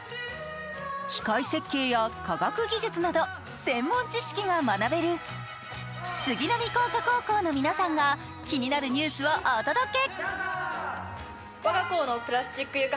機械設計や科学技術など専門知識が学べる杉並工科高校の皆さんが気になるニュースをお届け。